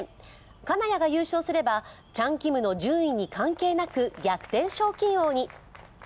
金谷が優勝すればチャン・キムの順位に関係なく逆転賞金王に。